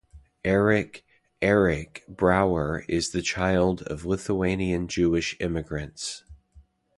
Erich "Arik" Brauer is the child of Lithuanian Jewish emigrants.